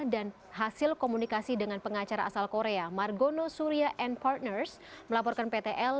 dan hasil komunikasi dengan pengacara asal korea margono surya and partners melaporkan ptl